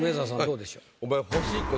どうでしょう？